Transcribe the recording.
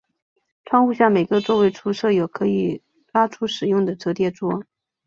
窗户下每个座位处设有可以拉出使用的折叠桌。